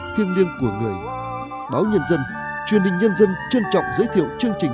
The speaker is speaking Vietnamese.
tiếp nối chương trình